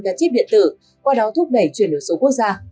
gắn chíp điện tử qua đó thúc đẩy chuyển được số quốc gia